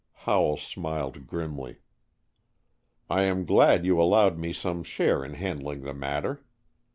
Howell smiled grimly. "I am glad you allowed me some share in handling the matter.